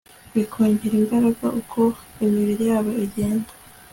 bikongera imbaraga uko imibiri yabo igenda